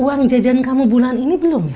uang jajan kamu bulan ini belum